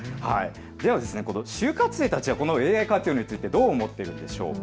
では就活生たちはこのＡＩ活用についてどう思っているんでしょうか。